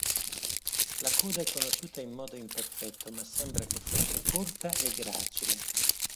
La coda è conosciuta in modo imperfetto ma sembra che fosse corta e gracile.